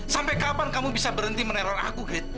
sampai kapan kamu bisa berhenti meneran aku gret